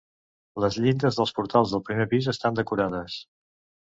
Les llindes dels portals del primer pis estan decorades.